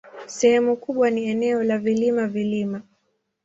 Sehemu kubwa ni eneo la vilima-vilima.